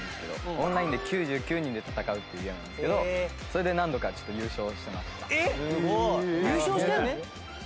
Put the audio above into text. オンラインで９９人で戦うっていうゲームなんですけどそれで何度か優勝してました。